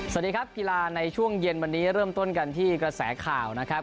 สวัสดีครับกีฬาในช่วงเย็นวันนี้เริ่มต้นกันที่กระแสข่าวนะครับ